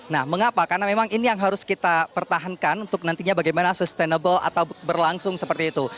nah mengapa karena memang ini yang harus kita pertahankan untuk nantinya bagaimana sustainable atau berlangsung seperti itu